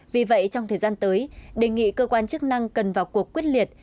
vì vậy trong thời gian tới đề nghị cơ quan chức năng cần vào cuộc quyết liệt